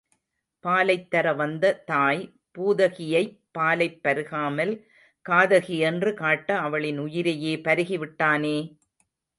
பாலைத் தர வந்த தாய் பூதகியைப் பாலைப் பருகாமல் காதகி என்று காட்ட அவளின் உயிரையே பருகி விட்டானே!